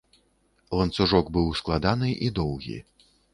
Ланцужок быў складаны і доўгі.